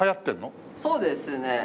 そうですね。